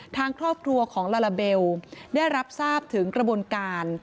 ทางครอบครัวของลาลาเบลได้รับทราบถึงกระบวนการ